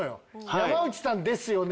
「山内さんですよね？」